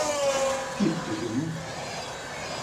Τι, παιδί μου;